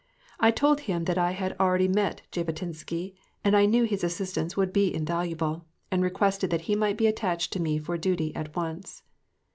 I told him that I had already met Jabotinsky, and I knew his assistance would be invaluable, and requested that he might be attached to me for duty at once.